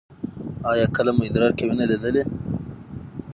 ایا کله مو ادرار کې وینه لیدلې؟